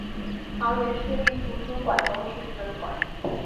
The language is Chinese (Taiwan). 桃園市立圖書館東勢分館